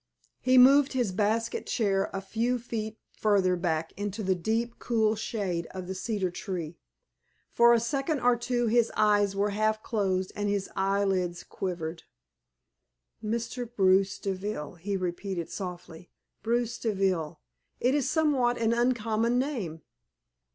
He moved his basket chair a few feet further back into the deep, cool shade of the cedar tree. For a second or two his eyes were half closed and his eyelids quivered. "Mr. Bruce Deville," he repeated, softly "Bruce Deville! It is somewhat an uncommon name."